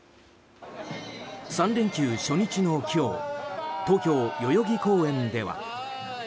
３連休初日の今日東京・代々木公園では。